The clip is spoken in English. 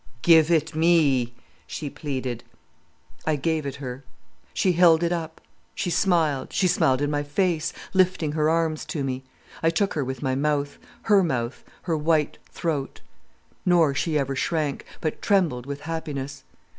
"'Give it me,' she pleaded. "'I gave it her. She held it up, she smiled, she smiled in my face, lifting her arms to me. I took her with my mouth, her mouth, her white throat. Nor she ever shrank, but trembled with happiness.